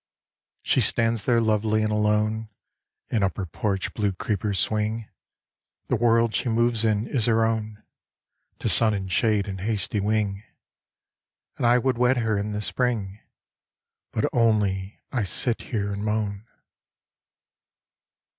She stands there lovely and alone And up her porch blue creepers swing. The world she moves in is her own, To sun and shade and hasty wing. And I would wed her in the Spring, But only I sit here and moan.